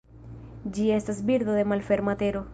Ĝi estas birdo de malferma tero.